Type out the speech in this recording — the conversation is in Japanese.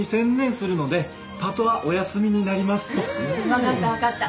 分かった分かった。